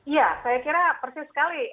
ya saya kira persis sekali